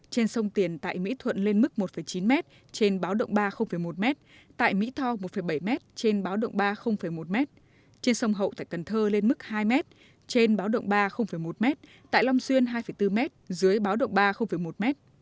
trên sông tiền tại mỹ thuận lên mức một chín m trên báo động ba một m tại mỹ tho một bảy m trên báo động ba một m trên sông hậu tại cần thơ lên mức hai m trên báo động ba một m tại long xuyên hai bốn m dưới báo động ba một m